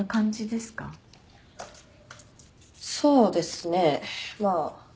そうですねまあ。